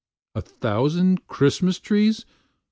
"A thousand Christmas trees!